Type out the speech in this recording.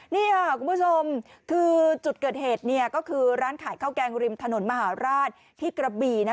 นี่ค่ะคุณผู้ชมคือจุดเกิดเหตุก็คือร้านขายข้าวแกงริมถนนมหาราชที่กระบี่